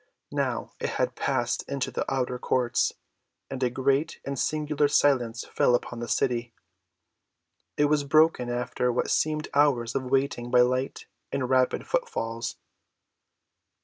Now it had passed into the outer courts, and a great and singular silence fell upon the city. It was broken after what seemed hours of waiting by light and rapid footfalls.